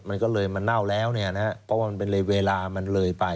มันก็เลยมันเน่าแล้วเนี่ยนะเพราะว่ามันเป็นเวลามันเลยไป